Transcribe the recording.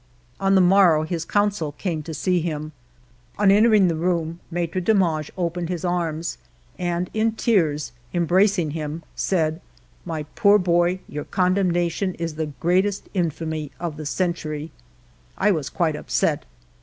On the morrow his counsel came to see him. On entering the room, Alaitre Demange opened his arms and, in tears, embracing him, said, "My poor bov, your con demnation is the greatest infamy of the century." I was quite upset.